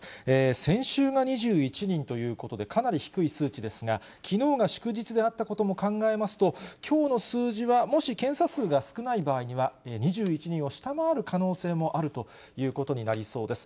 先週が２１人ということで、かなり低い数値ですが、きのうが祝日であったことも考えますと、きょうの数字はもし検査数が少ない場合には、２１人を下回る可能性もあるということになりそうです。